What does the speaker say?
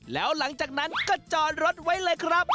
แล้วหลังจากนั้นก็จอดรถไว้เลยครับ